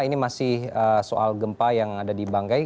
ini masih soal gempa yang ada di bangkai